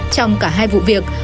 trong cả hai vụ việc